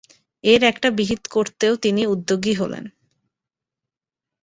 এর একটা বিহিত করতেও তিনি উদ্যোগী হলেন।